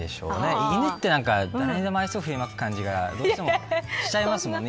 犬は誰にでも愛想を振りまく感じがしちゃいますもんね。